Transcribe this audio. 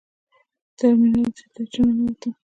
ټرمینل ته چې ننوتم.